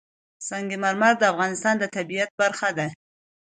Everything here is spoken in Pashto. سنگ مرمر د افغانستان د طبیعت برخه ده.